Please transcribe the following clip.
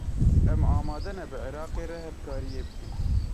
Em amade ne bi Iraqê re hevkariyê bikin.